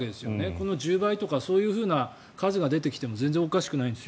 この１０倍とかそういうふうな数が出てきても全然おかしくないんですよ。